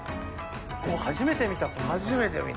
初めて見た。